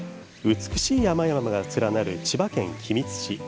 美しい山々が連なる千葉県君津市。